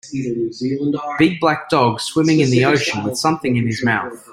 Big black dog swimming in the ocean with something in his mouth.